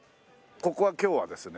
ここは今日はですね